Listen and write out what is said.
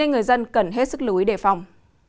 nên người dân cần hết sức lưu ý đề phòng